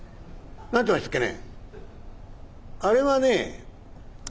「あれはね。